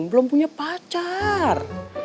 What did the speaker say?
belum punya pacar